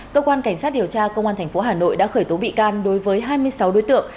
cơ quan cảnh sát điều tra công an tp hà nội đã khởi tố bị can đối với hai mươi sáu đối tượng